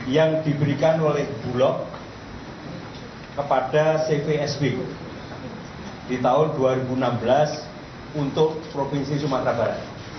yang diberikan oleh bulog kepada cvsb di tahun dua ribu enam belas untuk provinsi sumatera barat